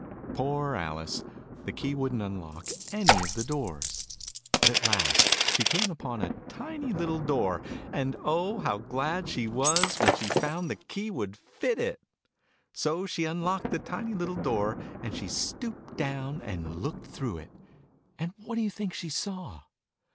Poor Alice ! The key wouldn't unlock any of the doors. But at last she came upon a tiny little door : and oh, how glad she was, when she found the key would fit it ! So she unlocked the tinv little door, and she stooped down and looked through it, and what do you think she saw